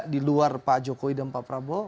di luar pak jokowi dan pak prabowo